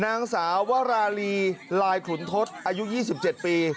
นางสาววราลีลายขุนทศอายุ๒๗ปี